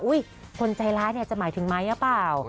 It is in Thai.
คนใจร้ายเนี่ยจะหมายถึงไม้หรือเปล่า